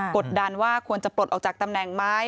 กดดันว่าควรจะปลดออกจากตำแหน่งไหม